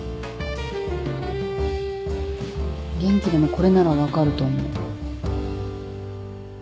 元気でもこれなら分かると思う。